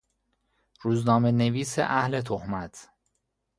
روزنامهنویس اهل تهمت